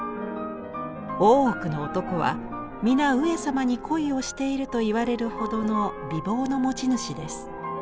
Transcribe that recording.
大奥の男は皆上様に恋をしていると言われるほどの美貌の持ち主です。